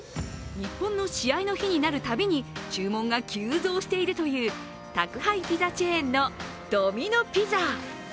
日本の試合の日になるたびに注文が急増しているという宅配ピザチェーンのドミノ・ピザ。